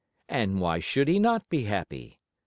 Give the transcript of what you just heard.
And why should he not be happy?